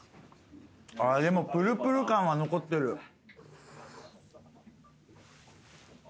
ああでもプルプル感は残ってる。